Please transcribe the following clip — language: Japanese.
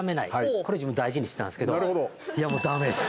これ自分、大事にしてたんすけどいや、もうダメです。